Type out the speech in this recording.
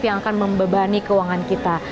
yang akan membebani keuangan kita